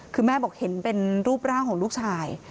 คือแม่บอกเห็นเป็นรูปร่างของลูกชาย